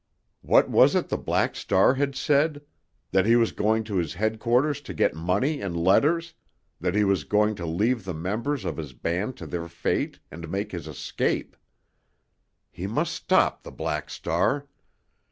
What was it the Black Star had said? That he was going to his headquarters to get money and letters, that he was going to leave the members of his band to their fate, and make his escape. He must stop the Black Star!